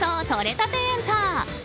とれたてエンタ。